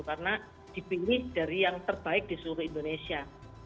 karena dipilih dari yang terbaik di seluruh indonesia